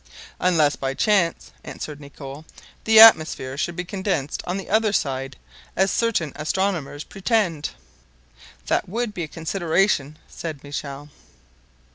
"Unless, by any chance," answered Nicholl, "the atmosphere should be condensed on the other side, as certain astronomers pretend." "That would be a consideration," said Michel.